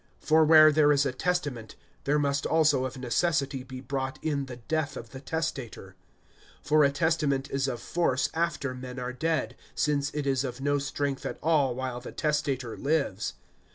(16)For where there is a testament[9:16], there must also of necessity be brought in the death of the testator. (17)For a testament is of force after men are dead; since it is of no strength at all while the testator lives.